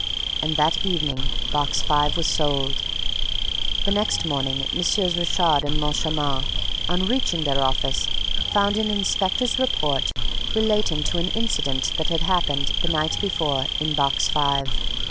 And that evening Box Five was sold. The next morning, Mm. Richard and Moncharmin, on reaching their office, found an inspector's report relating to an incident that had happened, the night before, in Box Five.